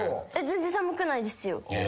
全然寒くないですよ。